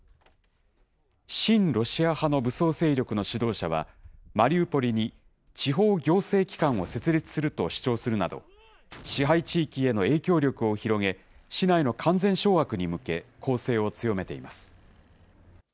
親ロシア派の武装勢力の指導者は、マリウポリに地方行政機関を設立すると主張するなど、支配地域への影響力を広げ、市内の完全掌握に向け、攻勢を強めています。